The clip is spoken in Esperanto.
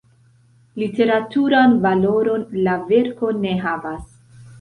Literaturan valoron la verko ne havas.